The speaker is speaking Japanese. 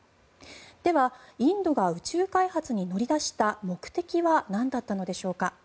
では、インドが宇宙開発に乗り出した目的はなんだったのでしょうか。